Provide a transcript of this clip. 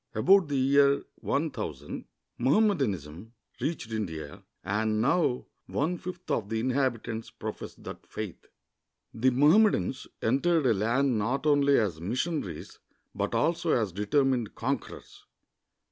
About the year 1000, Mohammedanism reached India, and now one fifth of the inhabitants profess that faith. The ^Mohammedans entered a land not only as mission aries, but also as determined conquerors.